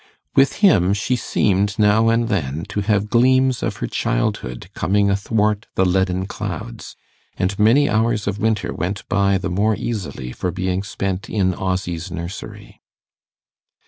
With him she seemed now and then to have gleams of her childhood coming athwart the leaden clouds, and many hours of winter went by the more easily for being spent in Ozzy's nursery.